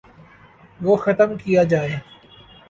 وہ ختم کیا جائے۔